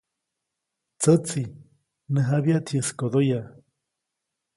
Tsätsi, mnäjabyaʼt yäskodoyaʼ.